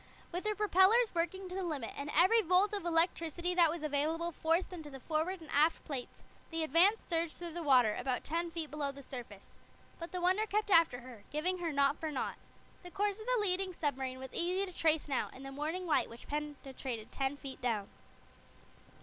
With her propellers working to the limit, and every volt of electricity that was available forced into the forward and aft plates, the Advance surged through the water, about ten feet below the surface. But the Wonder kept after her, giving her knot for knot. The course of the leading submarine was easy to trace now, in the morning light which penetrated ten feet down.